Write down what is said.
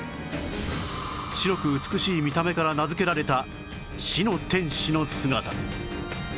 白く美しい見た目から名づけられた「死の天使」の姿